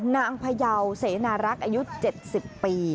นางพยาวเสนารักอายุ๗๐ปี